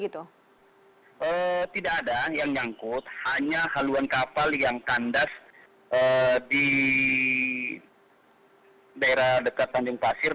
tidak ada yang nyangkut hanya haluan kapal yang kandas di daerah dekat tanjung pasir